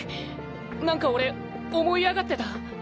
なんか俺思い上がってた。